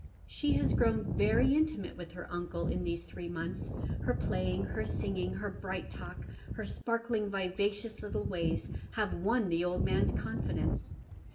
She has grown very intimate with her uncle in these three months, her playing, her singing, her bright talk, her sparkling, vivacious little ways have won the old man's confidence.